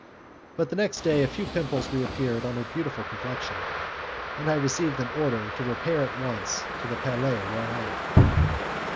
But the next day a few pimples reappeared on her beautiful complexion, and I received an order to repair at once to the Palais Royal.